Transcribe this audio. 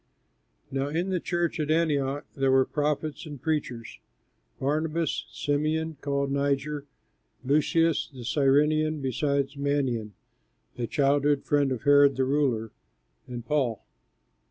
Now in the church at Antioch there were prophets and preachers: Barnabas, Symeon (called Niger), and Lucius the Cyrenean, besides Manean (a childhood friend of Herod the ruler), and Paul.